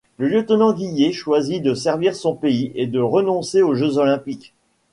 Le lieutenant Guillet choisit de servir son pays et de renoncer aux Jeux Olympiques.